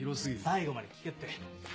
最後まで聞けって。